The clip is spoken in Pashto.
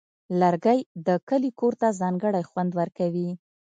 لرګی د کلي کور ته ځانګړی خوند ورکوي.